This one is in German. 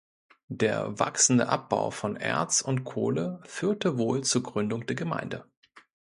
Der wachsende Abbau von Erz und Kohle führte wohl zur Gründung der Gemeinde.